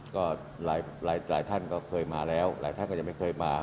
ก็หลายท่านก็เคยมาแล้วหลายท่านก็ยังไม่เคยมา